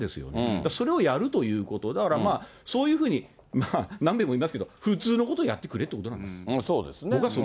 だからそれをやるということ、だからまあ、そういうふうに、何べんも言いますけど、普通のことやってくれとそうですね。